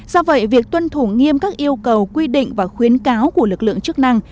do vậy việc tuân thủ nghiêm các yêu cầu quy định và khuyến cáo của lực lượng chức năng